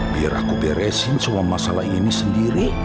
biar aku beresin semua masalah ini sendiri